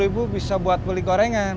sepuluh ribu bisa buat beli gorengan